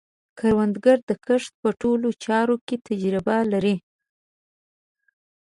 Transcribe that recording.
کروندګر د کښت په ټولو چارو کې تجربه لري